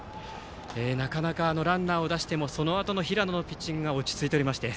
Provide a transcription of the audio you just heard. なかなかランナーを出してもそのあとの平野のピッチングが落ち着いていまして。